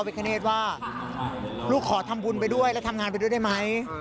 พ่อไปขนาดคอว่าลูกขอทำบุญไปด้วยได้ทำงานไปด้วยได้มั้ย